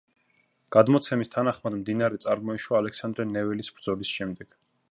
გადმოცემის თანახმად, მდინარე წარმოიშვა ალექსანდრე ნეველის ბრძოლის შემდეგ.